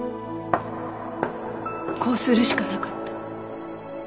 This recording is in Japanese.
こうするしかなかった。